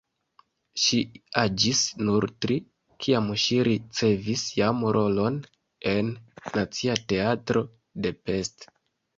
Ŝi aĝis nur tri, kiam ŝi ricevis jam rolon en Nacia Teatro de Pest.